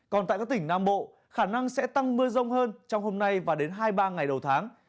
còn tại các tỉnh nam bộ khả năng sẽ tăng mưa rông hơn trong hôm nay và đến hai mươi ba ngày đầu tháng